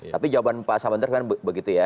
tapi jawaban pak sahabat bandar kan begitu ya